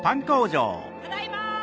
ただいま。